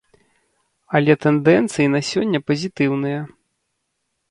Але тэндэнцыі на сёння пазітыўныя.